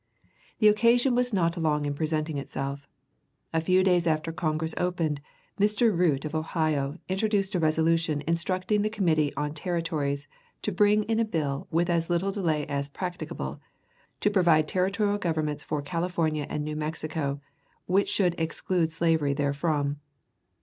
The occasion was not long in presenting itself. A few days after Congress opened, Mr. Root, of Ohio, introduced a resolution instructing the Committee on Territories to bring in a bill "with as little delay as practicable" to provide territorial governments for California and New Mexico, which should "exclude slavery there from."